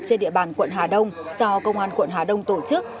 trên địa bàn quận hà đông do công an quận hà đông tổ chức